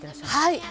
「はい。